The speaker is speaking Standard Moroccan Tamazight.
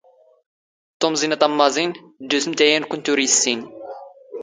ⵜⵓⵎⵥⵉⵏ ⴰ ⵜⴰⵎⵎⴰⵥⵉⵏ, ⵜⴷⵓⵙⵎⵜ ⴰ ⵢⴰⵏ ⴽⵯⵏ ⵜ ⵓⵔ ⵉⵙⵙⵉⵏⵏ.